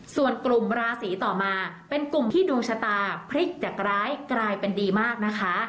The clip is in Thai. ส่วนกลุ่มราศีต่อมาเป็นกลุ่มที่ดวงชะตาพลิกจากร้ายกลายเป็นดีมากนะคะ